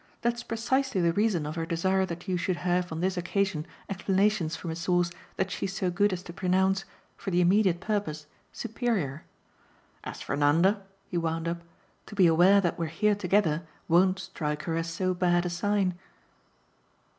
That's precisely the reason of her desire that you should have on this occasion explanations from a source that she's so good as to pronounce, for the immediate purpose, superior. As for Nanda," he wound up, "to be aware that we're here together won't strike her as so bad a sign."